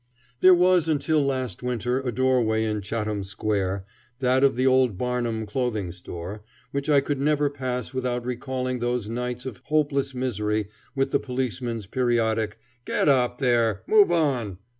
There was until last winter a doorway in Chatham Square, that of the old Barnum clothing store, which I could never pass without recalling those nights of hopeless misery with the policeman's periodic "Get up there! move on!"